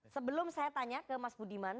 sebelum saya tanya ke mas budiman